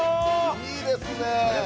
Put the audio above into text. いいですねぇ。